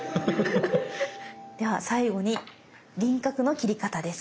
では最後に輪郭の切り方です。